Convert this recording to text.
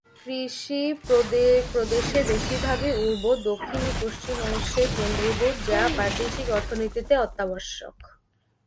কৃষি, প্রদেশের বেশিরভাগই উর্বর দক্ষিণ ও পশ্চিম অংশে কেন্দ্রীভূত, যা প্রাদেশিক অর্থনীতিতে অত্যাবশ্যক।